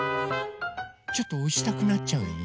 ちょっとおしたくなっちゃうよね。